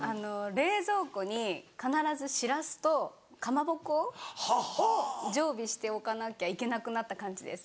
冷蔵庫に必ずシラスとカマボコを常備しておかなきゃいけなくなった感じです。